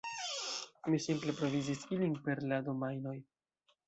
Mi simple provizis ilin per la domajnoj.